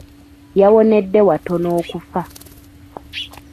Yawonedde watono okufa.